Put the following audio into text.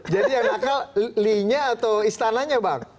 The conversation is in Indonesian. jadi yang nakal lin nya atau istananya bang